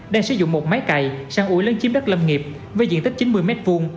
đang sử dụng một máy cày săn ủi lấn chiếm đất lâm nghiệp với diện tích chín mươi m hai